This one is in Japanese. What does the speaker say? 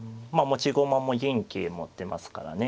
持ち駒も銀桂持ってますからね。